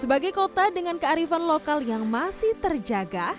sebagai kota dengan kearifan lokal yang masih terjaga